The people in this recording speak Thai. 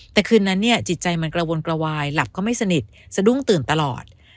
แต่คืนนั้นเนี่ยจิตใจมันกระวนกระวายหลับก็ไม่สนิทสะดุ้งตื่นตลอด